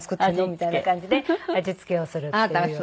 みたいな感じで味付けをするっていう。